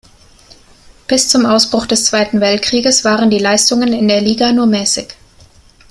Bis zum Ausbruch des Zweiten Weltkrieges waren die Leistungen in der Liga nur mäßig.